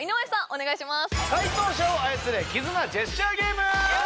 お願いします